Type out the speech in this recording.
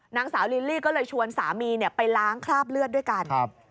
นางสาวลิลลี่ก็เลยชวนสามีไปล้างคราบเลือดด้วยกันครับ